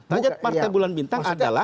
target partai bulan bintang adalah